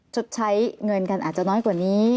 ชดใช้เงินกันอาจจะน้อยกว่านี้